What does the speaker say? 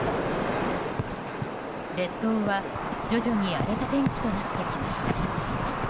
列島は徐々に荒れた天気となってきました。